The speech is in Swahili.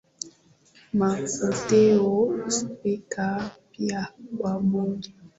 ma kumteua spika mpya wa bunge